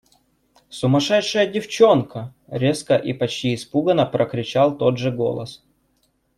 – Сумасшедшая девчонка! – резко и почти испуганно прокричал тот же голос.